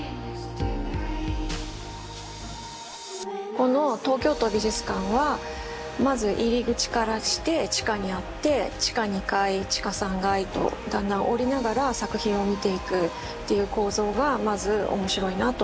この東京都美術館はまず入り口からして地下にあって地下２階地下３階とだんだん下りながら作品を見ていくという構造がまず面白いなと思いました。